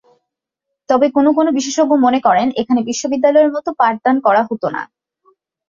তবে কোনো কোনো বিশেষজ্ঞ মনে করেন এখানে বিশ্ববিদ্যালয়ের মতো পাঠদান করা হতো না।